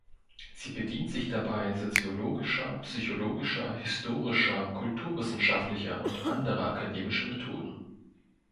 Sie bedient sich dabei soziologischer, psychologischer, historischer, kulturwissenschaftlicher und anderer akademischer Methoden.